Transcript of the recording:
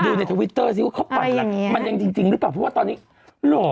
ดูในทวิตเตอร์สิว่าเขาปั่นล่ะมันยังจริงหรือเปล่าเพราะว่าตอนนี้หล่อ